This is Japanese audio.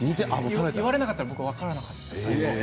言われなかったら分からなかったです。